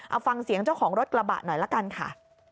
เอาฟังเสียงเจ้าของรถกระบะหน่อยละกันค่ะ